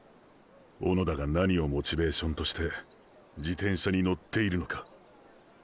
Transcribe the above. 小野田が何をモチベーションとして自転車に乗っているのか。